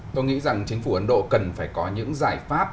tôi nghĩ rằng chính phủ ấn độ cần phải có những giải pháp